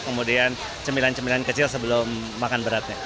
kemudian cemilan cemilan kecil sebelum makan beratnya